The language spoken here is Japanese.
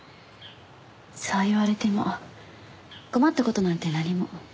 そう言われても困った事なんて何も。